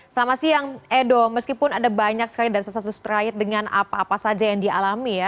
selamat siang edo meskipun ada banyak sekali dansah kasus terakhir dengan apa apa saja yang dialami ya